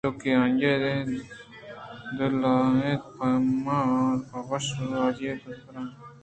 انچوکہ آئی ءِ دلگران اَت پدا آ پہ وش رواجی پیژگاہ ءَ رہادگ بوت